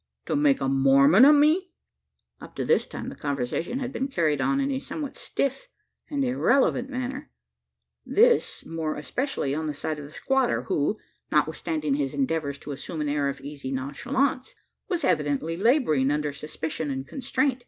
"To make a Mormon o' me." Up to this time the conversation had been carried on in a somewhat stiff and irrelevant manner; this more especially on the side of the squatter, who notwithstanding his endeavours to assume an air of easy nonchalance was evidently labouring under suspicion and constraint.